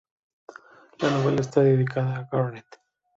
La novela está dedicada a Garnett.